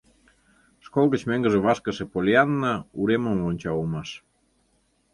Школ гыч мӧҥгӧ вашкыше Поллианна уремым вонча улмаш.